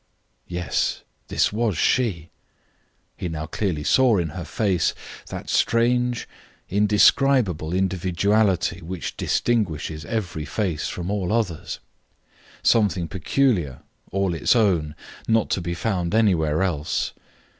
Yes, this was she. He now clearly saw in her face that strange, indescribable individuality which distinguishes every face from all others; something peculiar, all its own, not to be found anywhere else.